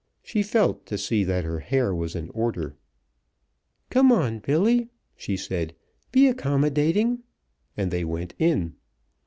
She felt to see that her hair was in order. "Come on, Billy," she said. "Be accommodating," and they went in.